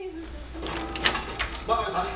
真壁さん！